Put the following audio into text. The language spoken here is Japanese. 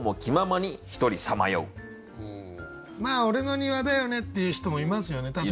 「俺の庭だよね」って言う人もいますよね。